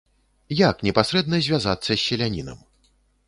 Як непасрэдна звязацца з селянінам?